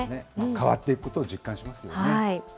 変わっていくことを実感しますよね。